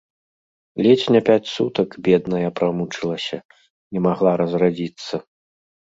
Ледзь не пяць сутак, бедная, прамучылася, не магла разрадзіцца.